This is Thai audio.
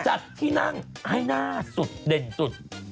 จัดที่นั่งให้หน้าสุดเด่นสุด